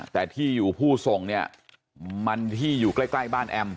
แต่ที่อยู่ผู้ส่งเนี่ยมันที่อยู่ใกล้บ้านแอม